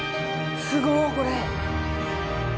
すごいこれ。